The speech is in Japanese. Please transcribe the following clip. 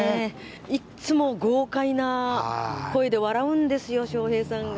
いつも豪快な声で笑うんですよ、笑瓶さんが。